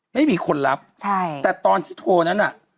ไม่มีคนรับใช่แต่ตอนที่โทรนั้นน่ะ